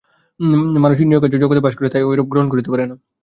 মানুষ ইন্দ্রিয়গ্রাহ্য জগতে বাস করে, তাই ঐরূপ করিতে পারে না।